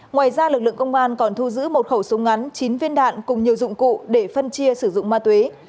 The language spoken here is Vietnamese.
ngoài ra lực lượng công an còn thu giữ một khẩu súng ngắn chín viên đạn cùng nhiều dụng cụ để phân chia sử dụng ma túy